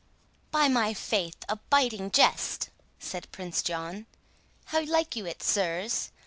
"By my faith, a biting jest!" said Prince John. "How like you it, sirs?